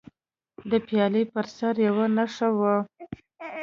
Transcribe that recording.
د پیالې پر سر یوه نښه وه.